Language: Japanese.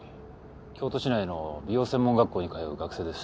京都市内の美容専門学校に通う学生です。